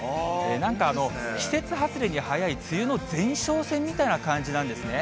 なんか、季節外れに早い梅雨の前哨戦みたいな感じなんですね。